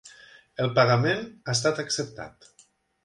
El pagament ha estat acceptat.